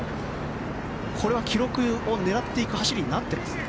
もうこれは記録を狙っていく走りになっていますね。